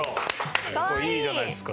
いいじゃないですか。